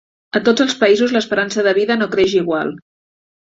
A tots els països l'esperança de vida no creix igual